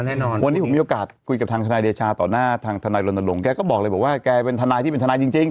แน่นอนวันนี้ผมมีโอกาสคุยกับทางทนายเดชาต่อหน้าทางทนายรณรงค์แกก็บอกเลยบอกว่าแกเป็นทนายที่เป็นทนายจริง